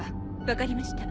分かりました。